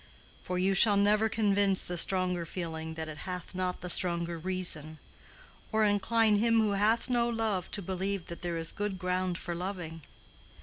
For you shall never convince the stronger feeling that it hath not the stronger reason, or incline him who hath no love to believe that there is good ground for loving.